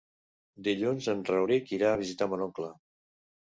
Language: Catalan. Dilluns en Rauric irà a visitar mon oncle.